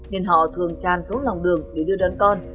nên họ thường tràn xuống lòng đường để đưa đón con